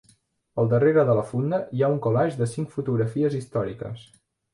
Al darrera de la funda hi ha un collage de cinc fotografies històriques.